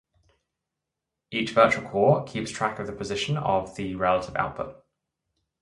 Each virtual core keeps track of the position of the relative output.